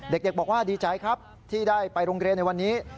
เด็กบอกว่าดีใจครับที่ได้ไปโรงเรียนในวันนี้